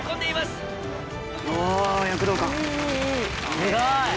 すごい！